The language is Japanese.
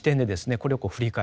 これを振り返る。